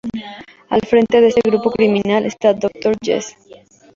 Al frente de este grupo criminal está el Dr. Yes.